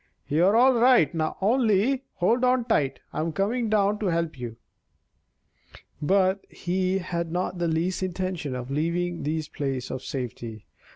You're all right, only hold on tight. I'm coming down to help you." But he had not the least intention of leaving his place of safety.